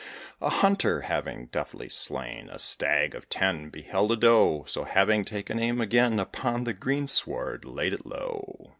A Hunter, having deftly slain A Stag of ten, beheld a Doe; So, having taken aim again, Upon the green sward laid it low.